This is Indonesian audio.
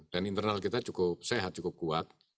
internal kita cukup sehat cukup kuat